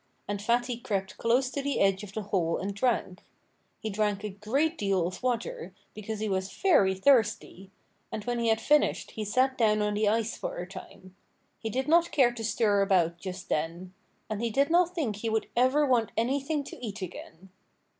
And Fatty crept close to the edge of the hole and drank. He drank a great deal of water, because he was very thirsty. And when he had finished he sat down on the ice for a time. He did not care to stir about just then. And he did not think he would ever want anything to eat again.